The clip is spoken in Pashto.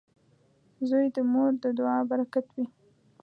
• زوی د مور د دعا برکت وي.